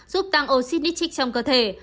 giúp tăng oxy nitric trong cơ thể